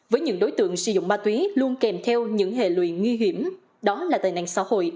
với những đối tượng sử dụng ma túy luôn kèm theo những hệ lụy nguy hiểm đó là tài nạn xã hội